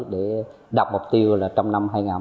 để đặt mục tiêu là trong năm